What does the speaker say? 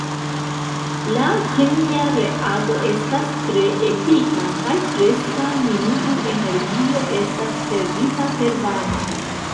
La kemia reago estas tre efika, kaj preskaŭ neniu energio estas perdita per varmo.